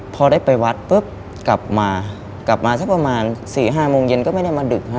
พอได้ไปวัดปุ๊บกลับมากลับมาสักประมาณ๔๕โมงเย็นก็ไม่ได้มาดึกฮะ